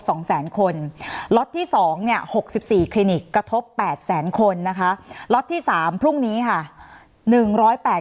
สนับสนุนโดยพี่โพเพี่ยวสะอาดใสไร้คราบ